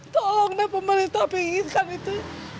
tolong deh pemerintah pinginkan itu